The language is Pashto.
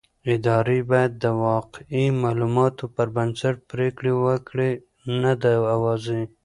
ادارې بايد د واقعي معلوماتو پر بنسټ پرېکړې وکړي نه د اوازې.